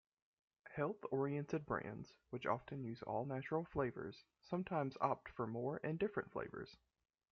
Health-oriented brands, which often use all-natural flavors, sometimes opt for more and different flavors.